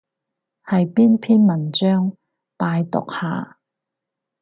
係邊篇文章？拜讀下